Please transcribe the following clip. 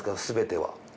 すべては。